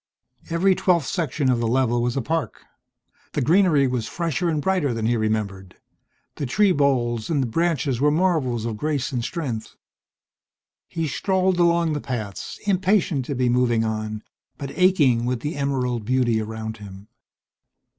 Every twelfth section of the level was a park. The greenery was fresher and brighter than he remembered; the tree boles and the branches were marvels of grace and strength. He strolled along the paths, impatient to be moving on, but aching with the emerald beauty around him....